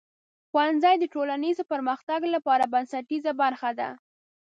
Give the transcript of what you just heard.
ښوونځی د ټولنیز پرمختګ لپاره بنسټیزه برخه ده.